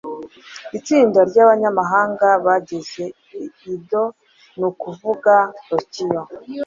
Itsinda ryabanyamahanga bageze i Edo, ni ukuvuga Tokiyo.